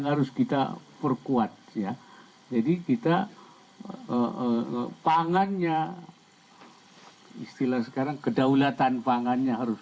harus kita perkuat ya jadi kita pangannya istilah sekarang kedaulatan pangannya harus